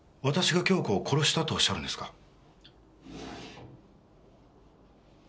私が杏子を殺したとおっしゃるんですか？